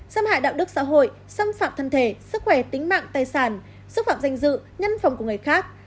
xâm hại đạo đức xã hội xâm phạm thân thể sức khỏe tính mạng tài sản xúc phạm danh dự nhân phòng của người khác